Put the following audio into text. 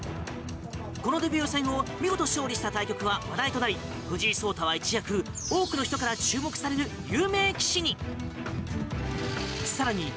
このデビュー戦を見事勝利した対局は話題となり藤井聡太は一躍多くの注目を集める有名棋士に。